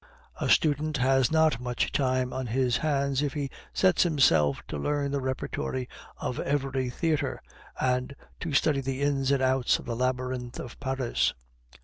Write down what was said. A student has not much time on his hands if he sets himself to learn the repertory of every theatre, and to study the ins and outs of the labyrinth of Paris.